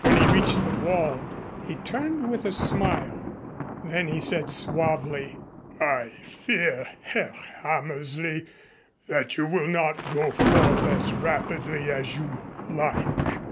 When he reached the wall he turned with a smile. Then he said suavely: "I fear, Herr Hammersley, that you will not go forth as rapidly as you like."